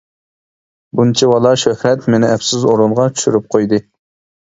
بۇنچىۋالا شۆھرەت مېنى ئەپسىز ئورۇنغا چۈشۈرۈپ قويدى.